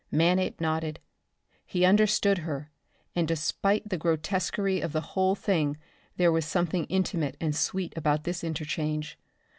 Manape nodded. He understood her, and despite the grotesquerie of the whole thing there was something intimate and sweet about this interchange.